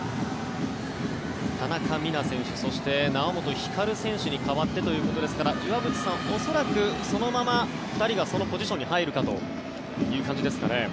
田中美南選手そして猶本光選手に代わってということですから岩渕さん、恐らくそのまま２人がそのポジションに入るという感じですかね。